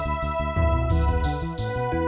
alhamdulillah pintu rejekinya lagi dibuka